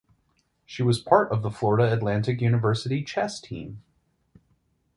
She was part of the Florida Atlantic University Chess Team.